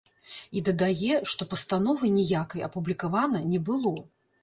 І дадае, што пастановы ніякай апублікавана не было.